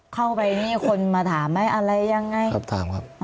เข้าไปมีคนมาถามไหมอะไรยังไงครับถามครับ